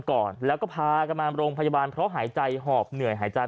ก่อนแล้วก็พากันมาโรงพยาบาลเพราะหายใจหอบเหนื่อยหายใจ